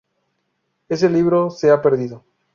Ese libro se ha perdido.